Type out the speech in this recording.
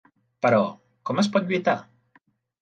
Però, com es pot lluitar?